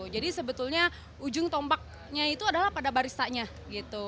jadi sebetulnya ujung tompaknya itu adalah pada baristanya gitu